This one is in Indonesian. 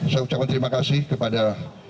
saya ucapkan terima kasih kepada